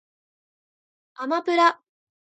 あまぷら